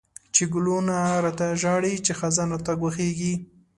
چی ګلونه ړاته ژاړی، چی خزان راته ګواښيږی